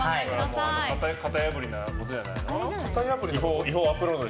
型破りなことじゃない？